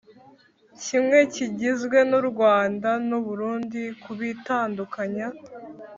kimwe kigizwe n u Rwanda n u Burundi kubitandukanya